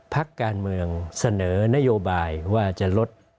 พักการเมืองเสนอนโยบายว่าจะลด